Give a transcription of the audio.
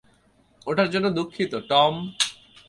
ওটার জন্য দুঃখিত, টম।